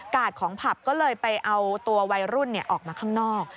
ของผับก็เลยไปเอาตัววัยรุ่นออกมาข้างนอก